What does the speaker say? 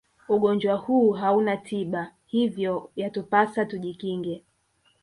ugonjwa huu hauna tiba hivyo yatupasa tujikinge